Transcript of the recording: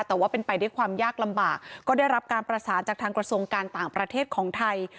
แต่ว่าเป็นไปด้วยความยากลำบากก็ได้รับการประสานจากทางกระทรวงการต่างประเทศของไทย